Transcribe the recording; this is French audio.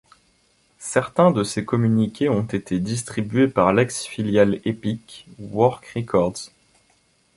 Certains de ses communiqués ont été distribués par l'ex-filiale Epic, Work Records.